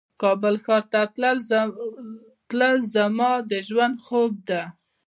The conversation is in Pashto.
کابل ښار ته تلل زما د ژوند خوب ده